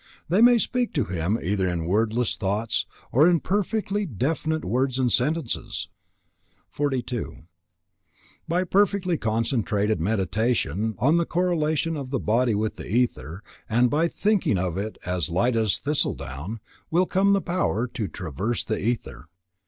They may speak to him either in wordless thoughts, or in perfectly definite words and sentences. 42. By perfectly concentrated Meditation em the correlation of the body with the ether, and by thinking of it as light as thistle down, will come the power to traverse the ether.